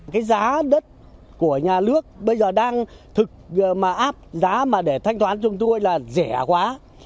cái giá đất của nhà nước bây giờ đang thực mà áp giá mà để thanh toán chúng tôi là rẻ quá